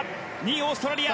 ２位オーストラリア。